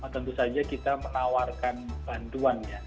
tentu saja kita menawarkan bantuannya